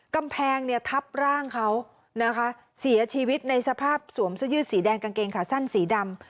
กำแพงเนี่ยทับร่างเขานะคะเสียชีวิตในสภาพสวมเสื้อยืดสีแดงกางเกงขาสั้นสีดำ